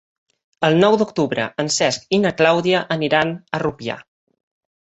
El nou d'octubre en Cesc i na Clàudia aniran a Rupià.